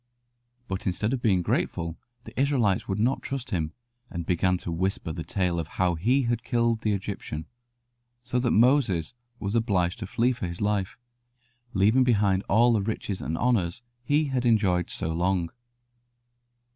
But instead of being grateful the Israelites would not trust him, and began to whisper the tale of how he had killed the Egyptian, so that Moses was obliged to flee for his life, leaving behind all the riches and honours he had enjoyed so long.